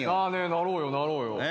なろうよなろうよ。